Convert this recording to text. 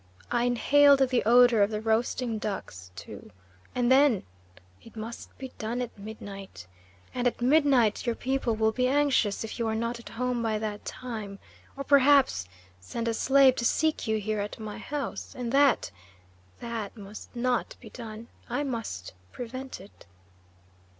I inhaled the odor of the roasting ducks, too, and then it must be done at midnight; and at midnight your people will be anxious if you are not at home by that time, or perhaps send a slave to seek you here at my house, and that that must not be done I must prevent it."